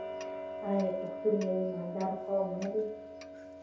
آیا پښتون یو ایماندار قوم نه دی؟